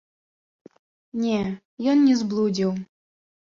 Не, ён не зблудзіў.